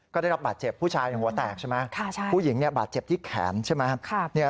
ก็ได้รับบาดเจ็บผู้ชายหัวแตกใช่ไหมผู้หญิงบาดเจ็บที่แขนใช่ไหม